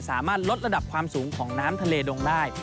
สามารถลดระดับความสูงของน้ำทะเลดงได้